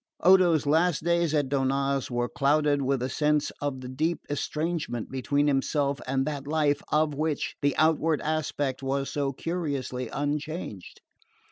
Odo's last days at Donnaz were clouded by a sense of the deep estrangement between himself and that life of which the outward aspect was so curiously unchanged.